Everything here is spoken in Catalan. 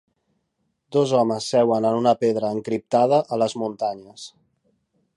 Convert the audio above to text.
dos homes seuen en una pedra encriptada a les muntanyes.